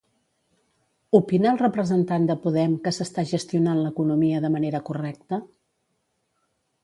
Opina el representant de Podem que s'està gestionant l'economia de manera correcta?